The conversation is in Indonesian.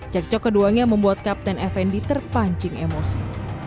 cekcok keduanya membuat kapten fnd terpancing emosi